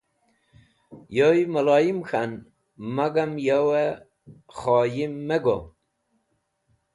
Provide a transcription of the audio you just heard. Yoy mẽloyim k̃han magam yo khoyim mẽ go.